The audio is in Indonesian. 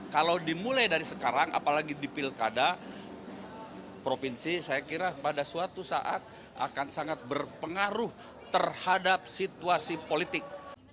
kalau dimulai dari sekarang apalagi di pilkada provinsi saya kira pada suatu saat akan sangat berpengaruh terhadap situasi politik